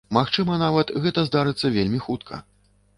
Магчыма нават, гэта здарыцца вельмі хутка.